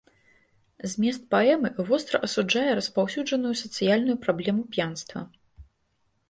Змест паэмы востра асуджае распаўсюджаную сацыяльную праблему п'янства.